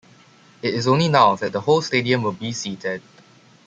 It is only now that the whole stadium will be seated.